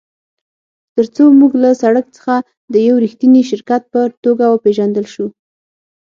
ترڅو موږ له سړک څخه د یو ریښتیني شرکت په توګه وپیژندل شو